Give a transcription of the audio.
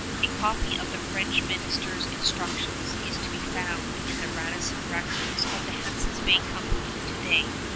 A copy of the French minister's instructions is to be found in the Radisson records of the Hudson's Bay Company to day.